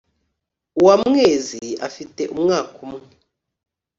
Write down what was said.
uwamwezi afite umwaka umwe.